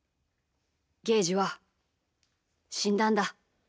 ゲージは、しんだんだ。